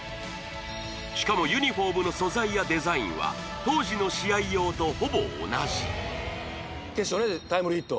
しかもユニフォームの素材やデザインは当時の試合用とほぼ同じ決勝でタイムリーヒット